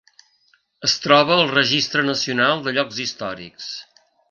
Es troba al Registre Nacional de Llocs Històrics.